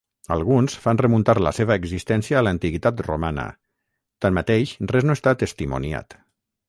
Alguns fan remuntar la seva existència a l'antiguitat romana, tanmateix res no està testimoniat.